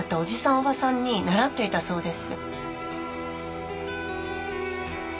おばさんに習っていたそうです